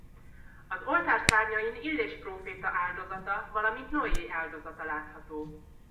Az oltár szárnyain Illés próféta áldozata valamint Noé áldozata látható.